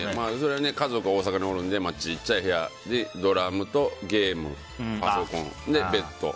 家族は大阪におるので小さい部屋にドラムとゲームとパソコン、ベッド。